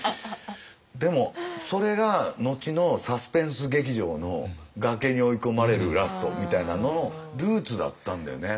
でもそれが後のサスペンス劇場の崖に追い込まれるラストみたいなののルーツだったんだよね。